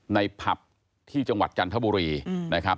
ผับที่จังหวัดจันทบุรีนะครับ